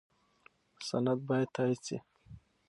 سند باید تایید شي.